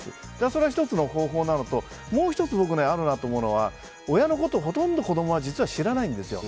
それは１つの方法なのともう１つ、僕はあるなと思うのが親のことを、ほとんど子供は実は知らないんですよ。